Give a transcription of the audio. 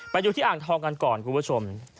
ไปดูที่อ่างทองกันก่อนคุณผู้ชม